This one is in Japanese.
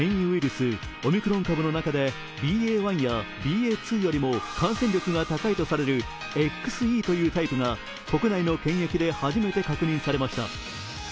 スオミクロン株の中でＢＡ．１やＢＡ．２よりも感染力が高いとされるＸＥというタイプが国内の検疫ではめて確認されました。